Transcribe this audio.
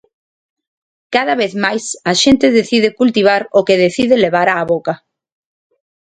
Cada vez máis a xente decide cultivar o que decide levar á boca.